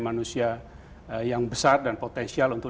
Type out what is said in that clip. manusia yang besar dan potensial untuk